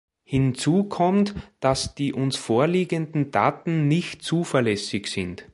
Hinzu kommt, dass die uns vorliegenden Daten nicht zuverlässig sind.